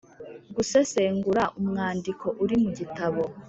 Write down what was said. gusesengura umwandiko uri mu gitabo